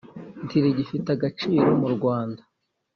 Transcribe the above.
ntirigifite agaciro mu Rwanda